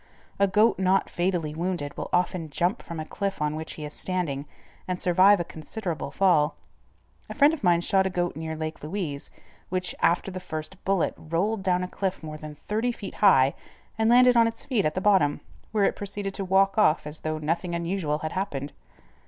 A goat not fatally wounded will often jump from a cliff on which he is standing, and survive a considerable fall. A friend of mine shot a goat near Lake Louise, which, after the first bullet, rolled down a cliff more than thirty feet high and landed on its feet at the bottom, where it proceeded to walk off as though nothing unusual had happened.